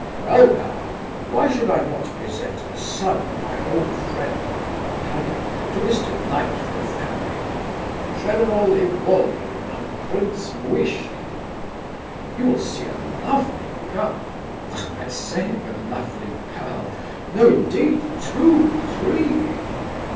Well now, why should I not present the son of my old friend and companion to this delightful family—General Ivolgin and Prince Muishkin? You will see a lovely girl—what am I saying—a lovely girl? No, indeed, two, three!